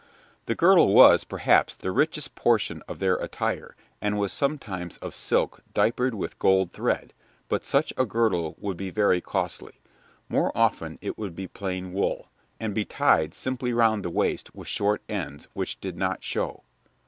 The girdle was, perhaps, the richest portion of their attire, and was sometimes of silk diapered with gold thread, but such a girdle would be very costly. More often it would be plain wool, and be tied simply round the waist with short ends, which did not show.